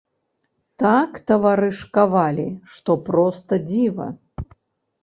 Так таварышкавалі, што проста дзіва.